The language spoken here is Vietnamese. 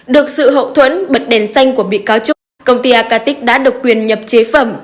được sự hậu thuẫn bật đèn xanh của bị cáo trung công ty arkatic đã được quyền nhập chế phẩm